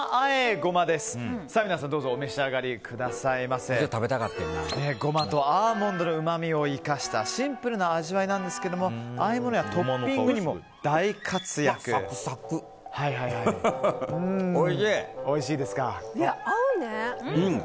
ゴマとアーモンドのうまみを生かしたシンプルな味わいなんですがあえ物やトッピングにもサクサク！